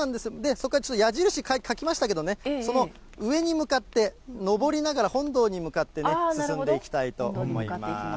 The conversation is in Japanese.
そこからちょっと矢印かきましたけどね、その上に向かって上りながら、本堂に向かってね、進んでいきたいと思います。